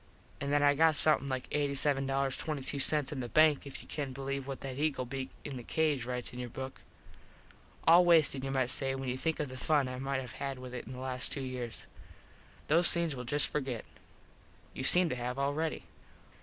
An that I got somethin like $87.22 in the bank if you can believe what that eagle beak in the cage rites in your book. All wasted you might say, when you think of the fun I might have had with it in the last two years. Those things we'll just forget. You seem to have already.